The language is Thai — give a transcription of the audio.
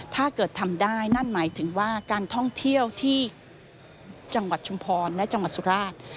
ถ้าเกิดทำได้นั่นหมายถึงว่าการท่องเที่ยวที่จังหวัดชุมพรและจังหวัดสุราช